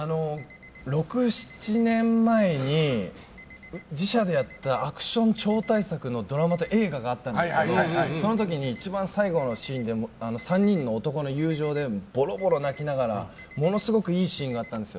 ６７年前に、自社でやったアクション超大作のドラマと映画があったんですけどその時に一番最後のシーンで３人の男の友情でボロボロ泣きながらものすごくいいシーンがあったんですよ。